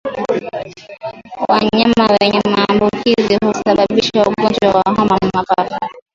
Wanyama wenye maambukizi husababisha ugonjwa wa homa ya mapafu